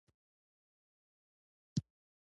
څو ورځې وروسته یې امیر شېر علي خان ته ولیکل.